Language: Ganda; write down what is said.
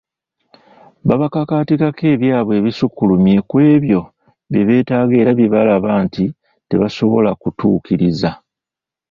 Babakakaatikako ebyabwe ebisukkulumye ku ebyo bye beetaaga era bye balaba nti tebasobola kutuukiriza.